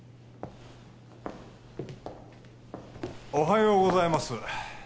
おはようございます